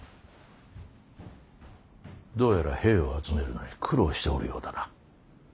どうやら兵を集めるのに苦労しておるようだな。